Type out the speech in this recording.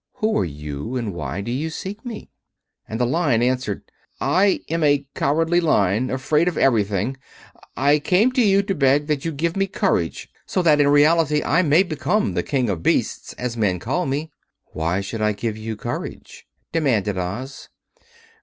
Who are you, and why do you seek me?" And the Lion answered, "I am a Cowardly Lion, afraid of everything. I came to you to beg that you give me courage, so that in reality I may become the King of Beasts, as men call me." "Why should I give you courage?" demanded Oz.